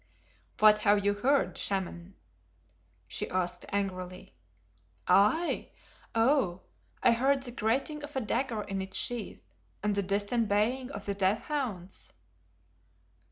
"What have you heard, Shaman (i.e. wizard)?" she asked angrily. "I? Oh! I heard the grating of a dagger in its sheath and the distant baying of the death hounds."